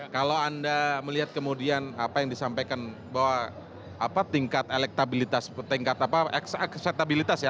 kalau anda melihat kemudian apa yang disampaikan bahwa tingkat elektabilitas tingkat akseptabilitas ya